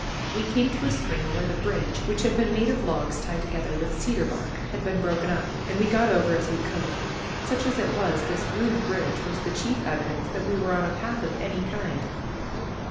We came to a stream where the bridge, which had been made of logs tied together with cedar bark, had been broken up, and we got over as we could. Such as it was, this ruined bridge was the chief evidence that we were on a path of any kind.